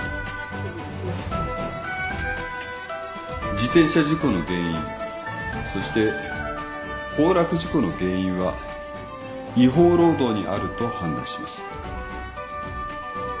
自転車事故の原因そして崩落事故の原因は違法労働にあると判断します。